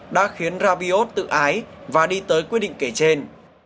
đã khiến rabiot tự ái và đi tới quyết định kể trên